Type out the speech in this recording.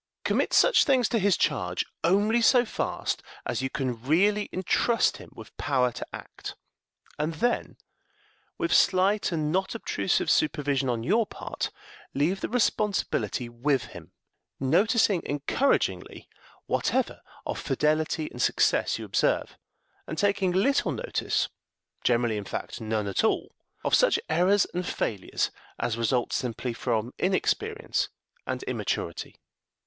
Commit such things to his charge only so fast as you can really intrust him with power to act, and then, with slight and not obtrusive supervision on your part, leave the responsibility with him, noticing encouragingly whatever of fidelity and success you observe, and taking little notice generally in fact, none at all of such errors and failures as result simply from inexperience and immaturity.